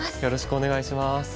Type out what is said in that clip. よろしくお願いします。